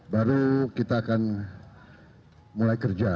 baru kita akan mulai kerja